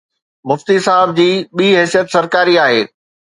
مفتي صاحب جي ٻي حيثيت سرڪاري آهي.